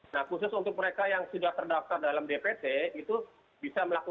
nah khusus untuk mereka yang sudah terdaftar dalam dpt itu bisa melakukan